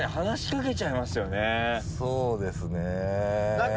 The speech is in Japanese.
そうですね。